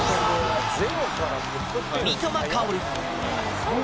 三笘薫。